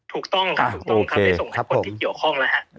ถูกต้องครับถูกต้องครับได้ส่งให้คนที่เกี่ยวข้องแล้วฮะ